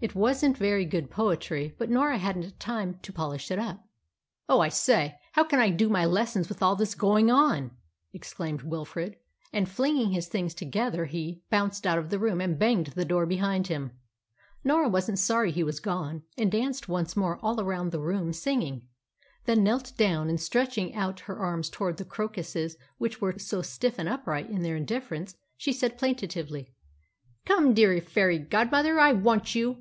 It wasn't very good poetry, but Norah hadn't time to polish it up. "Oh, I say! How can I do my lessons with all this going on?" exclaimed Wilfrid. And flinging his things together he bounced out of the room and banged the door behind him. Norah wasn't sorry he was gone, and danced once more all round the room singing; then knelt down, and, stretching out her arms towards the crocuses which were so stiff and upright in their indifference, she said plaintively "Come, dear fairy godmother, I want you!"